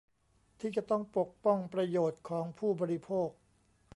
ที่จะต้องปกป้องประโยชน์ของผู้บริโภค